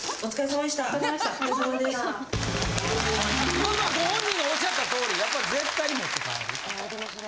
まずはご本人のおっしゃったとおりやっぱり絶対に持って帰る。